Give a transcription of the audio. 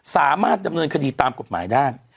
สามารถดำเนินคดีตามกฎหมายได้